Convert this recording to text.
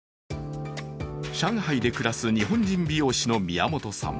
上海で暮らす日本人美容師の宮本さん。